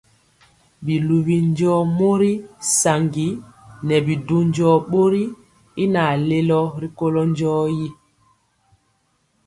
Biluwi njɔɔ mori saŋgi nɛ bi du njɔɔ bori y naŋ lelo rikolo njɔɔtyi.